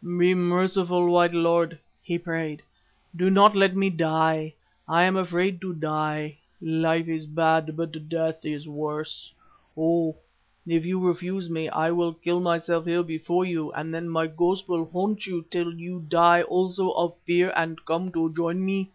"'Be merciful, White Lord,' he prayed, 'do not let me die. I am afraid to die. Life is bad, but death is worse. O! If you refuse me, I will kill myself here before you and then my ghost will haunt you till you die also of fear and come to join me.